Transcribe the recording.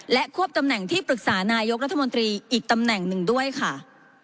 ควบตำแหน่งที่ปรึกษานายกรัฐมนตรีอีกตำแหน่งหนึ่งด้วยค่ะ